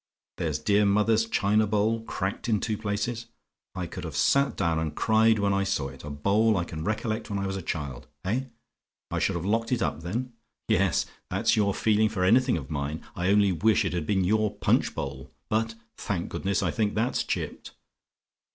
There's dear mother's china bowl cracked in two places. I could have sat down and cried when I saw it: a bowl I can recollect when I was a child. Eh? "I SHOULD HAVE LOCKED IT UP, THEN? "Yes: that's your feeling for anything of mine. I only wish it had been your punch bowl; but, thank goodness! I think that's chipped.